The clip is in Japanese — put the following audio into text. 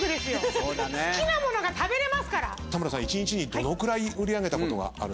田村さん一日にどのくらい売り上げたことがあるんですか？